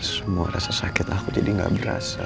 semua rasa sakit aku jadi gak berasa